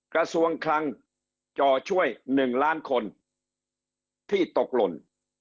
กระทรวงคลังจ่อช่วย๑ล้านคนที่ตกหล่น